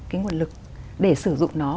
cái nguồn lực để sử dụng nó